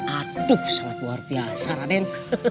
aduh sangat luar biasa raden